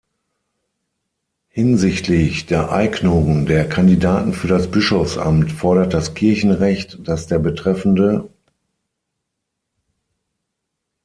Hinsichtlich der Eignung der Kandidaten für das Bischofsamt fordert das Kirchenrecht, dass der Betreffende